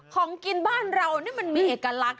ของกินบ้านเรานี่มันมีเอกลักษณ